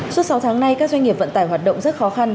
suốt sáu tháng nay các doanh nghiệp vận tải hoạt động rất khó khăn